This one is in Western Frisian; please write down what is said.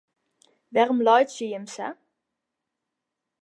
Wêrom laitsje jimme sa?